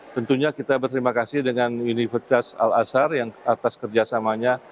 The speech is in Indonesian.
tentunya kita berterima kasih dengan universitas al azhar yang atas kerjasamanya